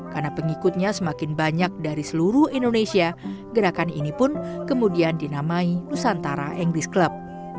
karena pengikutnya semakin banyak dari seluruh indonesia gerakan ini pun kemudian dinamai nusantara english club